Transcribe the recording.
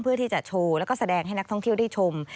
เพื่อที่จะโชว์แล้วก็แสดงให้นักท่องเที่ยวได้ชม